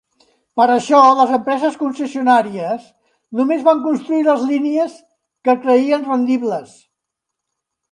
Per això les empreses concessionàries només van construir les línies que creien rendibles.